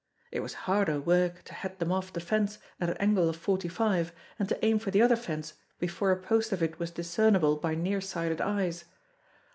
It was harder work to head them off the fence at an angle of forty five, and to aim for the other fence before a post of it was discernible by near sighted eyes.